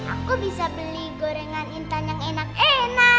aku bisa beli gorengan intan yang enak enak